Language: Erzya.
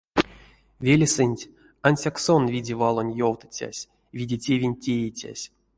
Велесэнть ансяк сон виде валонь ёвтыцясь, виде тевень теицясь.